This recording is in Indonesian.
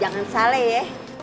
jangan salah ya